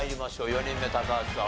４人目高橋さん